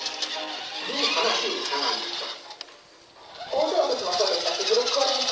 昨日、話を伺いました。